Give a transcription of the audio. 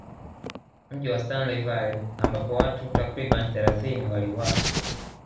Mji Wa Stanleyville ambapo watu takribani thelathini waliuawa